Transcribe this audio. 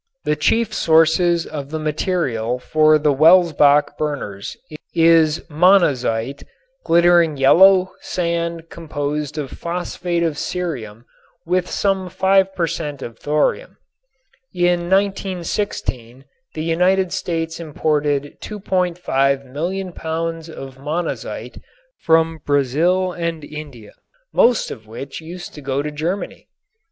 The chief sources of the material for the Welsbach burners is monazite, a glittering yellow sand composed of phosphate of cerium with some 5 per cent. of thorium. In 1916 the United States imported 2,500,000 pounds of monazite from Brazil and India, most of which used to go to Germany.